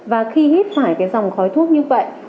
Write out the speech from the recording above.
và khi hít phải cái dòng khói thuốc như vậy